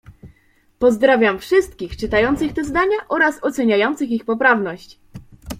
Pozdrawiam wszystkich czytających te zdania oraz oceniających ich poprawność.